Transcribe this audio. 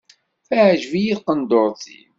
Teɛǧeb-iyi tqendurt-im.